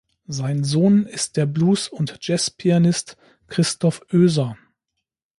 Sein Sohn ist der Blues- und Jazzpianist Christoph Oeser.